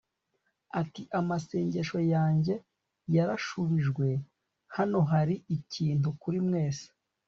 ati amasengesho yanjye yarashubijwe, hano hari ikintu kuri mwese